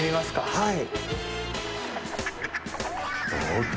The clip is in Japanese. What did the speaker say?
はい。